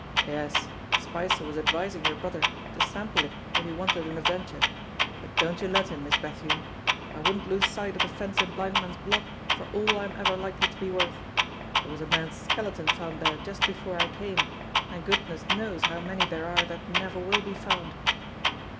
"Yes, Spicer was advising your brother to sample it if he wanted an adventure; but don't you let him, Miss Bethune. I wouldn't lose sight of the fence in Blind Man's Block for all I'm ever likely to be worth: there was a man's skeleton found there just before I came, and goodness knows how many there are that never will be found.